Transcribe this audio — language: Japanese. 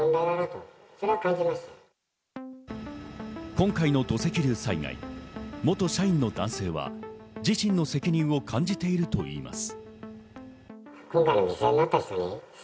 今回の土石流災害、元社員の男性は自身の責任を感じているといいます。